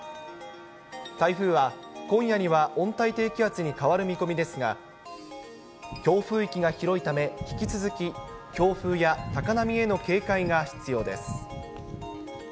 台風は今夜には温帯低気圧に変わる見込みですが、強風域が広いため、引き続き、強風や高波への警戒が必要です。